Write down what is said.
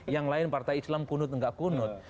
yang lain partai islam kunut nggak kunut